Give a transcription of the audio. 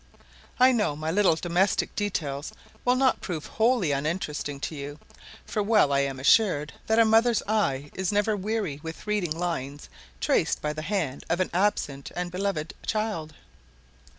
I know my little domestic details will not prove wholly uninteresting to you; for well I am assured that a mother's eye is never weary with reading lines traced by the hand of an absent and beloved child.